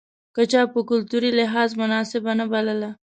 که چا په کلتوري لحاظ مناسبه نه بلله.